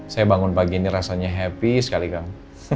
saya bangun pagi ini rasanya happy sekali kang